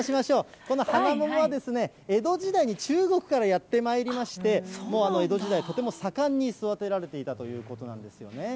この花桃はですね、江戸時代に中国からやってまいりまして、江戸時代、とても盛んに育てられていたということなんですよね。